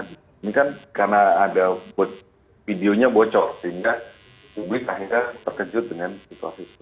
ini kan karena videonya bocok sehingga publik akhirnya terkejut dengan situasi seperti ini